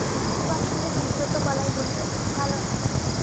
ইমাম সাহেব বিব্রত গলায় বললেন, ভালো না।